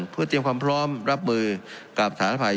เพื่อเตรียมความพร้อมรับมือกับสารภัย